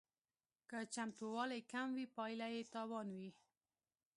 که چمتووالی کم وي پایله یې تاوان وي